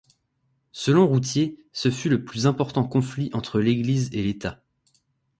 Selon Routhier, ce fut le plus important conflit entre l'Église et l'État.